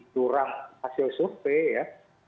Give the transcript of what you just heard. jurang hasil survei ya